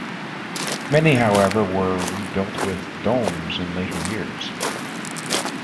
Many, however, were rebuilt with domes in later years.